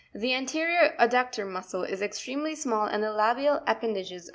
The anterior adductor muscle is extremely small and the labial appendages very large.